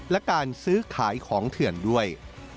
และการซื้อขายของเถื่อนด้วย